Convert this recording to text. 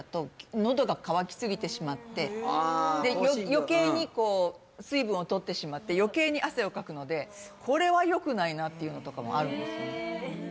余計に水分を取ってしまって余計に汗をかくのでこれはよくないなっていうのとかもあるんですよね